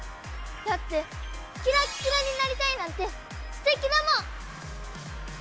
だってキラッキラになりたいなんてすてきだもん！